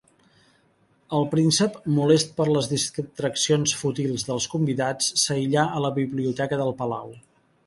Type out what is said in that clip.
El príncep, molest per les distraccions fútils dels convidats, s'aïlla a la biblioteca del palau.